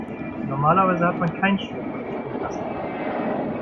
Normalerweise hat man kein Stroh vor dem Stromkasten liegen.